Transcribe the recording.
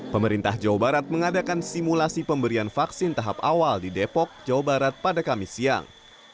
pemerintah jawa barat mengadakan simulasi pemberian vaksin tahap awal di depok jawa barat pada kamis siang